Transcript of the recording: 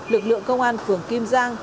lực lượng công an phường kim giang